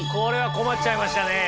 困っちゃいましたね。